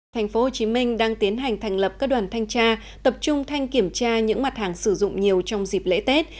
tp hcm đang tiến hành thành lập các đoàn thanh tra tập trung thanh kiểm tra những mặt hàng sử dụng nhiều trong dịp lễ tết